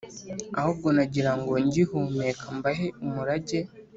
ahubwo nagira ngo ngihumeka mbahe umurage,